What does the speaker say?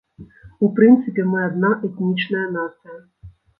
У прынцыпе, мы адна этнічная нацыя.